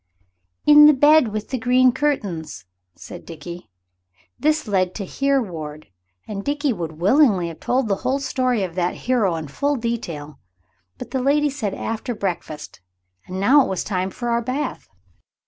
"In the bed with the green curtains," said Dickie. This led to Here Ward, and Dickie would willingly have told the whole story of that hero in full detail, but the lady said after breakfast, and now it was time for our bath.